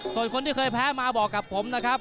ส่วนคนที่เคยแพ้มาบอกกับผมนะครับ